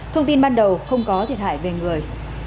thông tin ban đầu không có thiệt hại về người